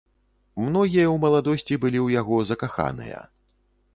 Многія ў маладосці былі ў яго закаханыя.